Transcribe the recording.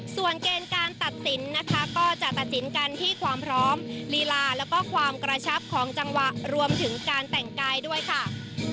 ส่วนเกณฑ์การตัดสินนะคะก็จะตัดสินกันที่ความพร้อมลีลาแล้วก็ความกระชับของจังหวะรวมถึงการแต่งกายด้วยค่ะ